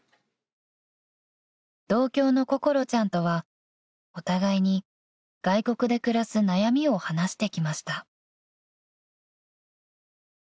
［同郷の心ちゃんとはお互いに外国で暮らす悩みを話してきました］